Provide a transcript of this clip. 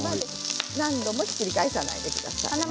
何度もひっくり返さないでください。